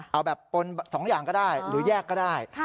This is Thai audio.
เอาแบบปน๒อย่างก็ได้หรือแยกก็ได้